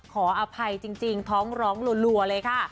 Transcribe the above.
ขออภัยจริงท้องร้องรัวเลยค่ะ